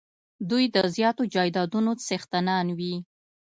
دوی د زیاتو جایدادونو څښتنان وي.